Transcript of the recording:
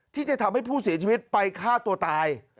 ที่จะทำให้ผู้เสียชีวิตไปฆ่าตัวตาย